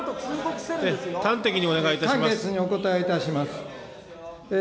簡潔にお答えいたします。